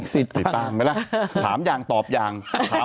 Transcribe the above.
สีตางไปแล้วถามอย่างตอบอย่าง